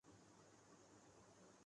اس کا مطلب یہ ہوتا ہے